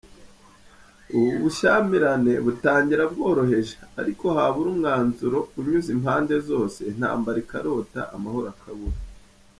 Ubu bushyamirane butangira bworoheje, ariko habura umwanzuro unyuze impande zose, intambara ikarota, amahoro akabura.